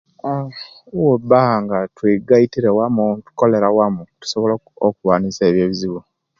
Aaa owobanga twegaitire wamu netukolera wamu tusobola oku okulwanisia ebyo ebizibu